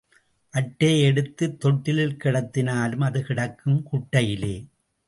அட்டையை எடுத்துத் தொட்டிலில் கிடத்தினாலும் அது கிடக்கும் குட்டையிலே.